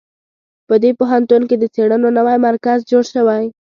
په دې پوهنتون کې د څېړنو نوی مرکز جوړ شوی